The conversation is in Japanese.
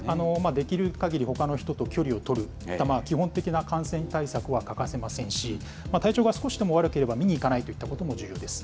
できるかぎりほかの人と距離を取るといった、基本的な感染対策は欠かせませんし、体調が少しでも悪ければ見に行かないといったことも重要です。